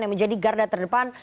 yang menjadi garda terdepan